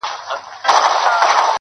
سر په سجدې نه راځي، عقل په توبې نه راځي,